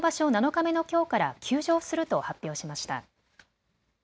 ７日目のきょうから休場すると発表しました。